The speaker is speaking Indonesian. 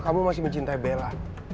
kamu masih mencintai bella